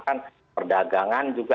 kan perdagangan juga